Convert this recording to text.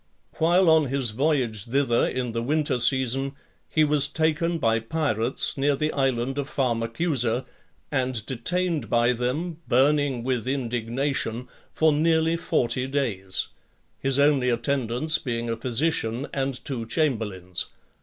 While on his voyage thither, in the winter season, he was taken by pirates near the island of Pharmacusa , and detained by them, burning with indignation, for nearly forty days; his only attendants being a physician and two chamberlains.